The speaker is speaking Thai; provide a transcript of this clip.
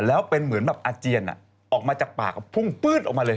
แล้วเป็นเหมือนแบบอาเจียนออกมาจากปากพุ่งปื๊ดออกมาเลย